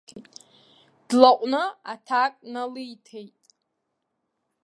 Длаҟәны аҭак налиҭеит.